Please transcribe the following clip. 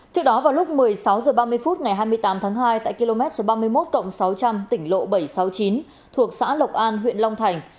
trước đó vào lúc một mươi sáu h ba mươi phút ngày hai mươi tám tháng hai tại km ba mươi một sáu trăm linh tỉnh lộ bảy trăm sáu mươi chín thuộc xã lộc an huyện long thành